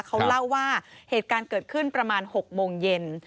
เขาเล่าว่าเหตุการณ์เกิดขึ้นประมาณ๖โมงเย็น